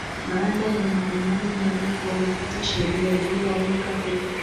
Baada ya mapambano marefu walipata sheria iliyowaweka huru